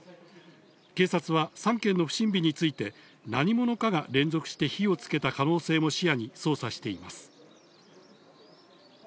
警察は３件の不審火について、何者かが連続して火をつけた可能性も視野に捜査しています。